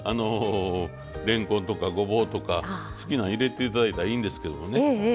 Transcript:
れんこんとかごぼうとか好きなん入れていただいたらいいんですけどもね